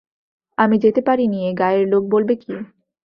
আমি যেতে পারি নিয়ে, গাঁয়ের লোক বলবে কী?